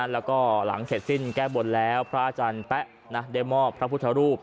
แล้วก็หลังเสร็จสิ้นแก้บนแล้วพระอาจารย์แป๊ะได้มอบพระพุทธรูป